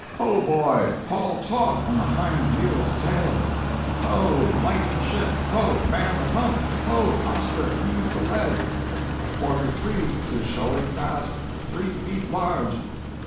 Ho, boy, haul taut on the hind mule's tail!" 372.jpg (105K) "Ho! lighten ship! ho! man the pump! Ho, hostler, heave the lead!" "A quarter three!—'tis shoaling fast! Three feet large!